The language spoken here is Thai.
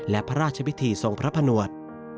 และพระราชภิพธิทรงพระพระหนวด